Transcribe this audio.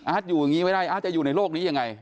อยู่อย่างนี้ไม่ได้อาร์ตจะอยู่ในโลกนี้ยังไง